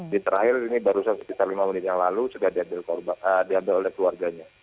di terakhir ini barusan sekitar lima menit yang lalu sudah diambil oleh keluarganya